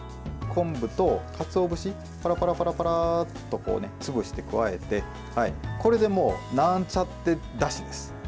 昆布とかつお節パラパラパラッと潰して加えてこれで、もうなんちゃってだしです。